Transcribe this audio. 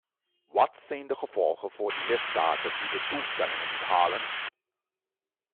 Wat zijn de gevolgen voor die lidstaten die de doelstellingen niet halen?